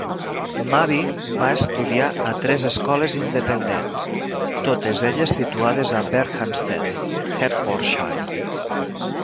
Mabey va estudiar a tres escoles independents, totes elles situades a Berkhamsted, Hertfordshire.